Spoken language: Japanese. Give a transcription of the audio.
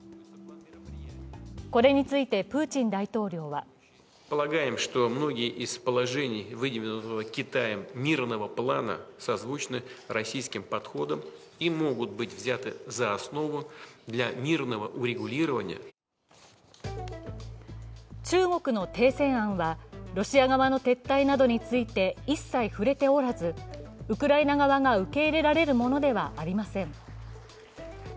これについてプーチン大統領は中国の停戦案は、ロシア側の撤退などについて一切触れておらず、ウクライナ側が受け入れられるものではありません。